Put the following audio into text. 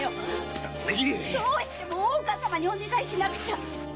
どうしても大岡様にお願いしなくちゃ！